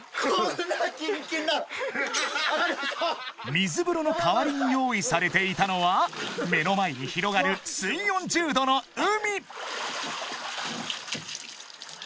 ［水風呂の代わりに用意されていたのは目の前に広がる水温１０℃の海］